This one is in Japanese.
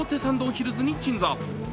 ヒルズに鎮座。